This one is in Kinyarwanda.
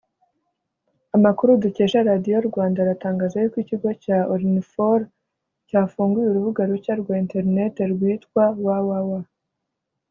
Amakuru dukesha radiyo Rwanda aratangaza yuko ikigo cya Orinfor cyafunguye urubuga rushya rwa internet rwitwa www